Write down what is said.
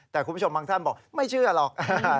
แต่คุณผู้ชมบางท่านบอกไม่เชื่อหรอก